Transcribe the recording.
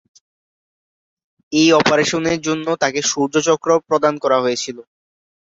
এই অপারেশনের জন্য তাঁকে শৌর্য চক্র প্রদান করা হয়েছিল।